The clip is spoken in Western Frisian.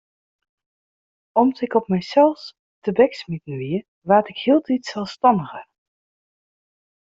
Om't ik op mysels tebeksmiten wie, waard ik hieltyd selsstanniger.